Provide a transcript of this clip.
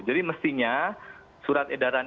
jadi mestinya surat edaran